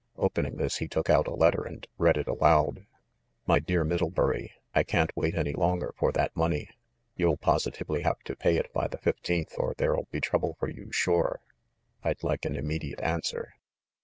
Opening this, he took out a letter and read it aloud : "Mv DEAR MIDDLEBURY : I can't wait any longer for that money. You'll positively have to pay it by the fifteenth or there'll be trouble for you sure. I'd like an immediate answer.